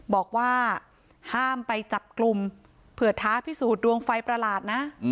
บอกว่าห้ามไปจับกลุ่มเผื่อท้าพิสูจนดวงไฟประหลาดนะ